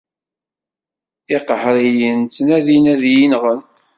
Iqehriyen ttnadin ad iyi-nɣen.